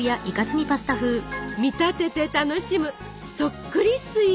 見立てて楽しむ「そっくりスイーツ」。